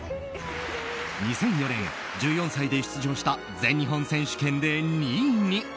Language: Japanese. ２００４年、１４歳で出場した全日本選手権で２位に。